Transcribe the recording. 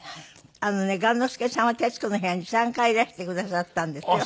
あのね雁之助さんは『徹子の部屋』に３回いらしてくださったんですよ。